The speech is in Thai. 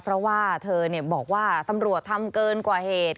เพราะว่าเธอบอกว่าตำรวจทำเกินกว่าเหตุ